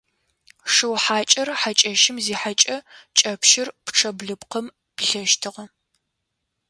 Шыу хьакӏэр хьакӏэщым зихьэкӏэ кӏэпщыр пчъэ блыпкъым пилъэщтыгъэ.